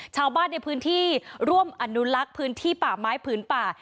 ชาวบ้านในพื้นที่ร่วมอนุลักษ์พื้นที่ป่าไม้ผืนป่า